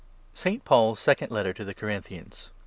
ST. PAUL'S < SECOND LETTER' TO THE CORINTHIANS.